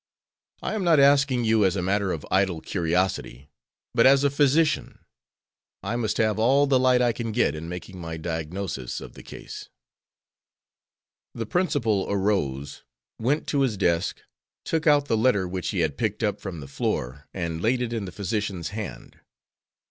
"I am not asking you as a matter of idle curiosity, but as a physician. I must have all the light I can get in making my diagnosis of the case." The principal arose, went to his desk, took out the letter which he had picked up from the floor, and laid it in the physician's hand.